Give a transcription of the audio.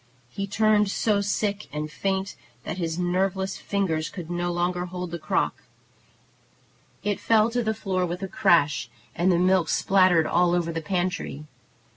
He turned so sick and faint that his nerveless fingers could no longer hold the crock. It fell to the floor with a crash, and the milk spattered all over the pantry.